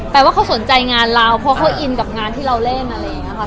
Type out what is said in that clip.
แปลว่าเขาสนใจงานเราเพราะเขาอินกับงานที่เราเล่น